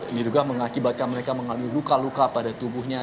ini juga mengakibatkan mereka mengalami luka luka pada tubuhnya